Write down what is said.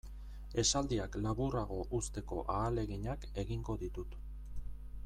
Esaldiak laburrago uzteko ahaleginak egingo ditut.